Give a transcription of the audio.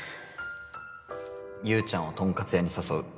優ちゃんをとんかつ屋に誘う